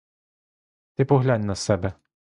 Ти поглянь на себе!